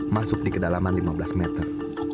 masuk di kedalaman lima belas meter